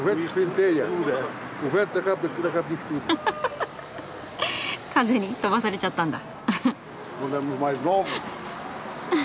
ははは風に飛ばされちゃったんだ。